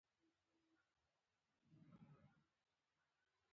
ایتوپیا یو سوچه استبدادي نظام درلود.